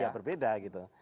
ya berbeda gitu